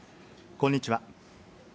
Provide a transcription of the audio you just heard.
こんにちは。